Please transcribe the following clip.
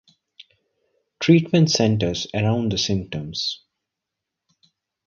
Treatment centres around the symptoms.